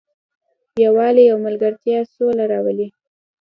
یووالی او ملګرتیا سوله راولي.